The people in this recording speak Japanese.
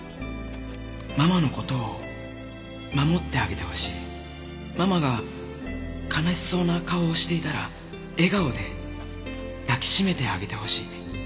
「ママの事を守ってあげてほしい」「ママが悲しそうな顔をしていたら笑顔で抱き締めてあげてほしい」